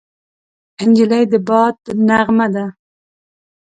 نجلۍ د باد نغمه ده.